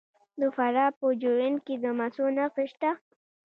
د فراه په جوین کې د مسو نښې شته.